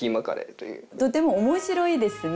とても面白いですね。